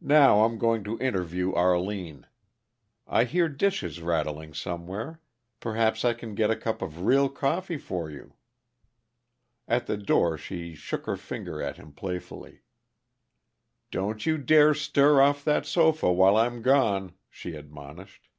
"Now, I'm going to interview Arline. I hear dishes rattling somewhere; perhaps I can get a cup of real coffee for you." At the door she shook her finger at him playfully. "Don't you dare stir off that sofa while I'm gone," she admonished.